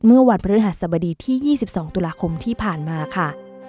เมื่อวันพฤหัสบดีที่๒๒ตุลาคมที่ผ่านมาค่ะ